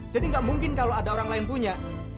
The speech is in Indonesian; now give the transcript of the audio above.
jadi nggak mungkin kalau ada orang lain punya